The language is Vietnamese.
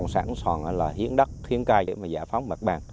sản xuất là hiến đất hiến cây để giải phóng mặt bàn